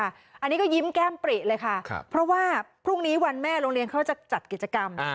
อันนี้ก็ยิ้มแก้มปริเลยค่ะเพราะว่าพรุ่งนี้วันแม่โรงเรียนเขาจะจัดกิจกรรม